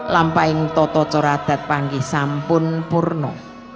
lampaing toto cora dat panggih sampun purno